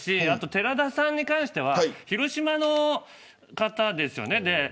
寺田さんに関しては広島の方ですよね。